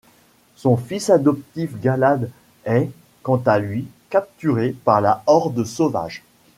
Son fils adoptif Galaad est, quant à lui, capturé par la horde sauvage.